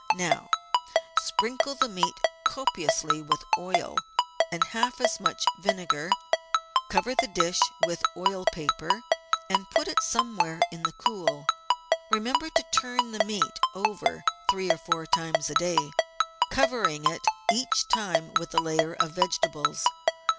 Now sprinkle the meat copiously with oil and half as much vinegar; cover the dish with oil paper, and put it somewhere in the cool. Remember to turn the meat over three or four times a day, covering it each time with a layer of vegetables.